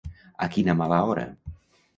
A quina mala hora.